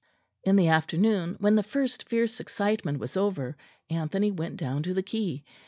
In the afternoon, when the first fierce excitement was over, Anthony went down to the quay.